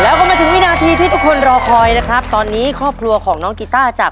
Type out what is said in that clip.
แล้วก็มาถึงวินาทีที่ทุกคนรอคอยนะครับตอนนี้ครอบครัวของน้องกีต้าจาก